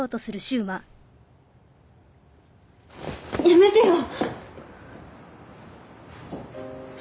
やめてよ！